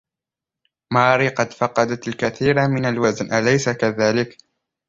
ماري قد فقدت الكثير من الوزن أليس كذلك؟